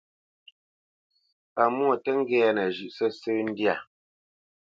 Pámwô tǝ́ ŋgɛ́nǝ zhʉ̌ʼ sǝ́sǝ̂ ndyâ.